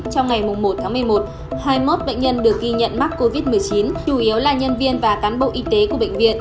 trong ngày một tháng một mươi một hai mươi một bệnh nhân được ghi nhận mắc covid một mươi chín chủ yếu là nhân viên và cán bộ y tế của bệnh viện